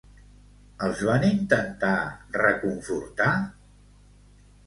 Els van intentar reconfortar?